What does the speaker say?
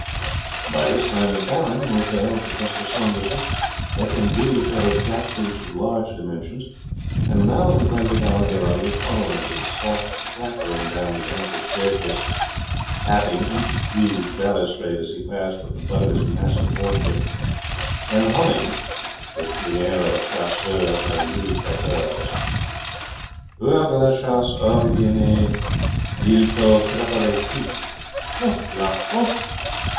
By this time the Baron, with the help of Mr. Saunderson, had indued a pair of jack boots of large dimensions, and now invited our hero to follow him as he stalked clattering down the ample stair case, tapping each huge balustrade as he passed with the butt of his massive horse whip, and humming, with the air of a chasseur of Louis Quatorze, Pour la chasse ordonnee il faut preparer tout. Ho la ho!